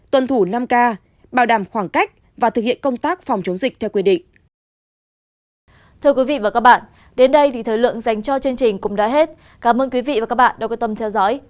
tuân thủ năm k bảo đảm khoảng cách và thực hiện công tác phòng chống dịch theo quy định